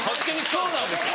そうなんですよ！